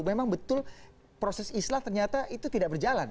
memang betul proses islah ternyata itu tidak berjalan